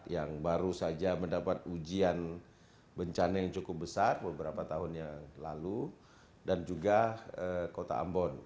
yang baru saja mendapat ujian bencana yang cukup besar beberapa tahun yang lalu dan juga kota ambon